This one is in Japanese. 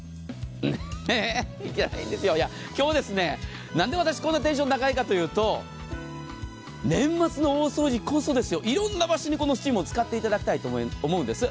お値段がいいですよ、今日、なんで私、こんなテンション高いかというと年末の大掃除こそ、いろんな場所にこのスチームを使っていただきたいと思うんです。